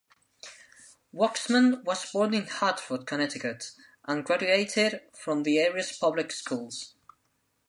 Waxman was born in Hartford, Connecticut, and graduated from the area's public schools.